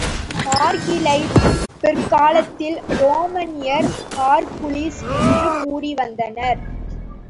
ஹெராக்கிளிஸைப் பிற்காலத்தில் ரோமானியர் ஹெர்க்குலிஸ் என்று கூறி வந்தனர்.